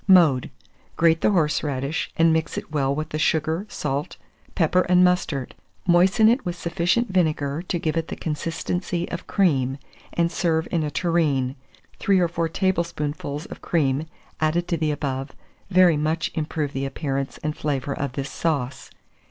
Mode. Grate the horseradish, and mix it well with the sugar, salt, pepper, and mustard; moisten it with sufficient vinegar to give it the consistency of cream, and serve in a tureen: 3 or 4 tablespoonfuls of cream added to the above, very much improve the appearance and flavour of this sauce.